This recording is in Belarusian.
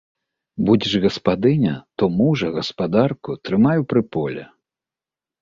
Будзеш гаспадыня, то мужа, гаспадарку трымай у прыполе.